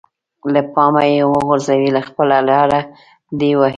له پامه يې وغورځوي خپله لاره دې وهي.